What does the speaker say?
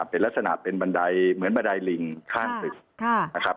เป็นลักษณะเป็นบันไดเหมือนบันไดลิงข้างตึกนะครับ